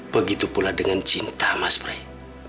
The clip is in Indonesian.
begitu pula dengan cinta mas pray